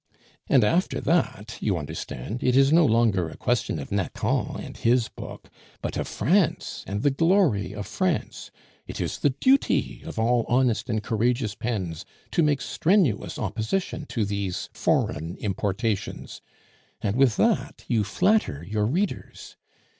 And after that, you understand, it is no longer a question of Nathan and his book, but of France and the glory of France. It is the duty of all honest and courageous pens to make strenuous opposition to these foreign importations. And with that you flatter your readers.